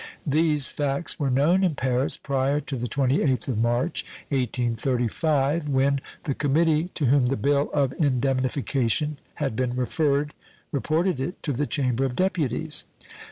These facts were known in Paris prior to the 28th of March, 1835, when the committee to whom the bill of indemnification had been referred reported it to the Chamber of Deputies.